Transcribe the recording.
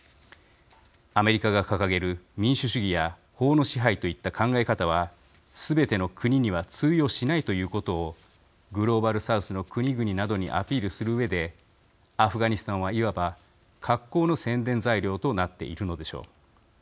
アメリカが掲げる民主主義や法の支配といった考え方はすべての国には通用しないということをグローバル・サウスの国々などにアピールするうえでアフガニスタンはいわば格好の宣伝材料となっているのでしょう。